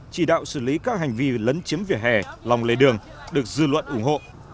chỉ đạo xử lý các hành vi lấn chiếm vỉa hè lòng lề đường được dư luận ủng hộ